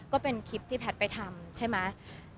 ก็เป็นคลิปที่แพทย์ไปทำใช่ไหม